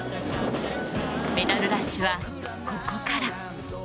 メダルラッシュは、ここから。